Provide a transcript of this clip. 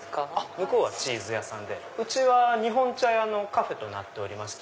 向こうはチーズ屋さんでうちは日本茶屋のカフェとなっておりまして。